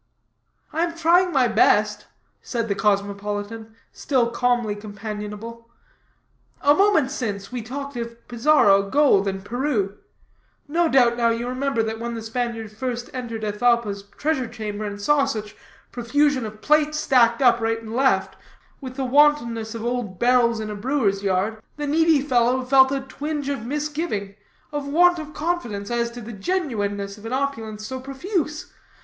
"I am trying my best," said the cosmopolitan, still calmly companionable. "A moment since, we talked of Pizarro, gold, and Peru; no doubt, now, you remember that when the Spaniard first entered Atahalpa's treasure chamber, and saw such profusion of plate stacked up, right and left, with the wantonness of old barrels in a brewer's yard, the needy fellow felt a twinge of misgiving, of want of confidence, as to the genuineness of an opulence so profuse.